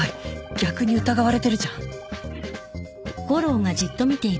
逆に疑われてるじゃん